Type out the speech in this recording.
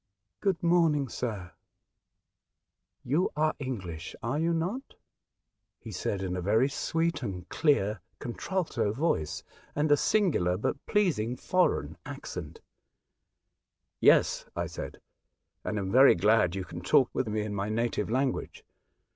'' Good morning, sir ; you are English, are you not ?" he said, in a very sweet and clear contralto voice, and a singular but pleasing foreign accent. The HunchhacJc of Mont St. Gahriel. 5 ^' Yes," I said, '' and am very glad you can talk with me in my native language.